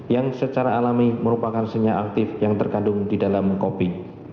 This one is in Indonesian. yang secara alami merupakan senya aktif yang terkandung di dalam kopi